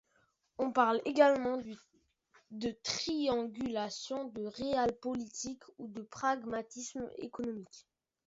On parle également de triangulation, de Realpolitik, ou de pragmatisme économique.